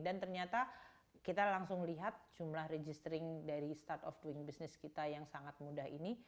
dan ternyata kita langsung lihat jumlah registering dari start of doing business kita yang sangat mudah ini